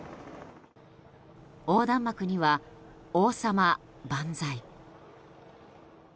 横断幕には「王様、万歳」。